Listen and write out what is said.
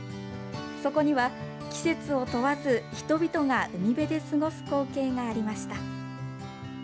そこには季節を問わず、人々が海辺で過ごす光景がありました。